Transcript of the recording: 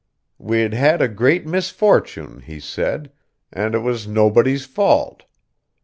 We'd had a great misfortune, he said, and it was nobody's fault.